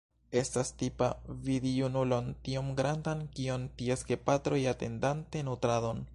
Estas tipa vidi junulon tiom grandan kiom ties gepatroj atendante nutradon.